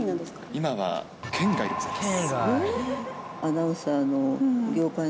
今は圏外でございます。